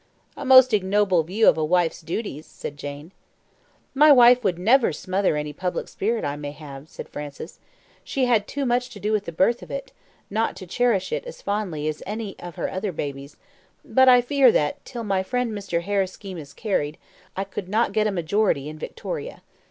"A most ignoble view of a wife's duties," said Jane. "My wife would never smother any public spirit I may have," said Francis. "She had too much to do with the birth of it, not to cherish it as fondly as any of her other babies; but I fear that, till my friend Mr. Hare's scheme is carried, I could not get a majority in Victoria.